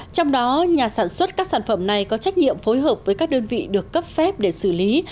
trong đó nhà sản xuất các sản phẩm này có trách nhiệm phối hợp với các đơn vị được cấp phép để xử lý